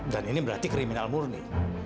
dan ini berarti kriminal murni